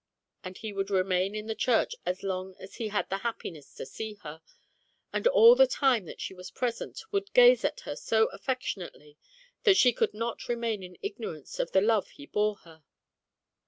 And he would remain in the church as long as he had the happiness to see her, and all the time that she was present would gaze at her so affectionately that she could not remain in ignorance of the love he bore her.